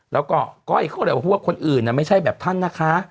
แล้วก็ก้อยเขาก็เลยบอกว่าคนอื่นไม่ใช่แบบท่านนะคะ